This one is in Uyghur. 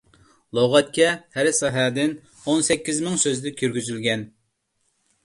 لۇغەتكە ھەر ساھەدىن ئون سەككىز مىڭ سۆزلۈك كىرگۈزۈلگەن.